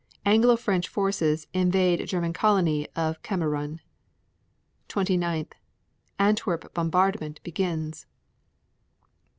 Anglo French forces invade German colony of Kamerun. 29. Antwerp bombardment begins.